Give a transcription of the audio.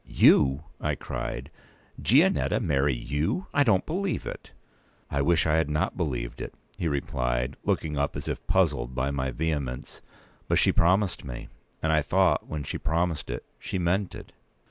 "You!" I cried. "Gianetta marry you! I don't believe it." "I wish I had not believed it," he replied, looking up as if puzzled by my vehemence. "But she promised me; and I thought, when she promised it, she meant it."